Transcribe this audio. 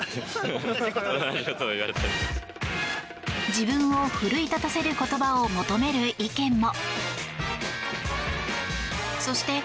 自分を奮い立たせる言葉を求める意見も。